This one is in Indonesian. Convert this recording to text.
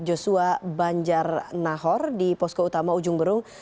joshua banjar nahor di posko utama ujung berung